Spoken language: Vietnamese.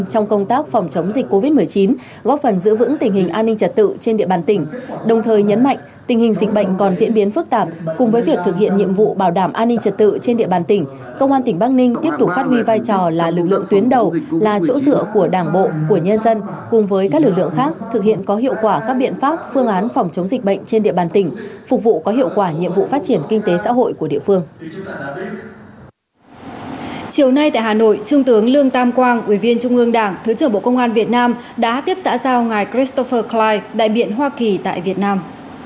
trong công tác phòng chống dịch covid một mươi chín góp phần giữ vững tình hình an ninh trật tự trên địa bàn tỉnh đồng thời nhấn mạnh tình hình dịch bệnh còn diễn biến phức tạp cùng với việc thực hiện nhiệm vụ bảo đảm an ninh trật tự trên địa bàn tỉnh công an tỉnh bắc ninh tiếp tục phát huy vai trò là lực lượng tuyến đầu là chỗ sửa của đảng bộ của nhân dân cùng với các lực lượng khác thực hiện có hiệu quả các biện pháp phương án phòng chống dịch bệnh trên địa bàn tỉnh phục vụ có hiệu quả nhiệm vụ phát triển kinh tế xã hội của địa